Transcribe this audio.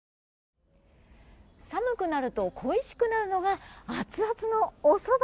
寒くなると恋しくなるのがあつあつの、おそば。